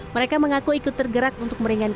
mereka mengaku ikut tergerak untuk meringankan